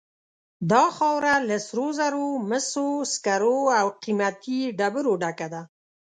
دا خاوره له سرو زرو، مسو، سکرو او قیمتي ډبرو ډکه ده.